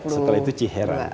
setelah itu ciherang